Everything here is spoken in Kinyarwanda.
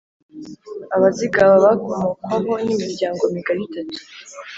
Abazigaba bakomokwaho n’imiryango migari itatu